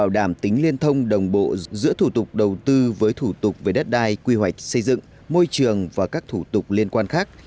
đồng bộ giữa thủ tục đầu tư với thủ tục về đất đai quy hoạch xây dựng môi trường và các thủ tục liên quan khác